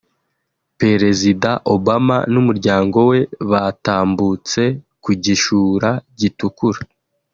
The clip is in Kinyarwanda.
Perezida Obama n’umuryango we batambutse ku gishura gitukura